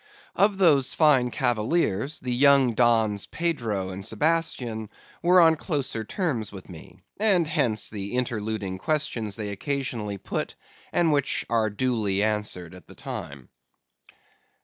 Of those fine cavaliers, the young Dons, Pedro and Sebastian, were on the closer terms with me; and hence the interluding questions they occasionally put, and which are duly answered at the time.